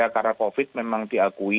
karena covid memang diakui